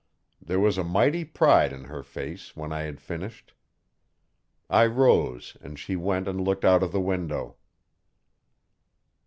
There was a mighty pride in her face when I had finished. I rose and she went and looked out of the window.